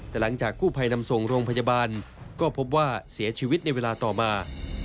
แต่หลังจากกู้ภัยนำส่งโรงพยาบาลก็พบว่าเสียชีวิตในเวลาต่อมา